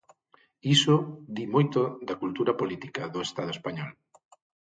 Iso di moito da cultura política do Estado español.